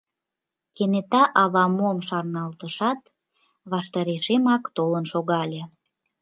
Кенета ала-мом шарналтышат, ваштарешемак толын шогале.